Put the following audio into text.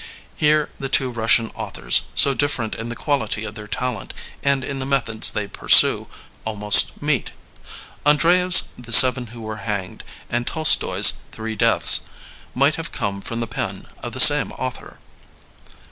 Here the two Eussian authors, so different in the quality of their talent and in the methods they pursue, almost meet. Andreyev's The Seven Who Were Hanged and Tolstoy's Three Deaths, might have come from the pen of the same author.